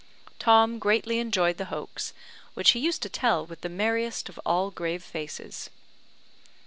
Tom greatly enjoyed the hoax, which he used to tell with the merriest of all grave faces.